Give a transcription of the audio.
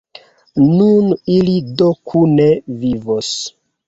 Nun ili do kune vivos!